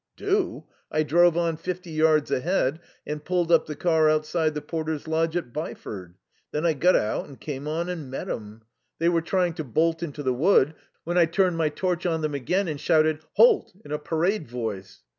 "Do? I drove on fifty yards ahead, and pulled up the car outside the porter's lodge at Byford. Then I got out and came on and met 'em. They were trying to bolt into the wood when I turned my torch on them again and shouted 'Halt!' in a parade voice.